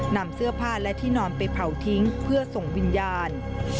นำเสื้อผ้าและที่นอนไปเผาทิ้งเพื่อส่งวิญญาณ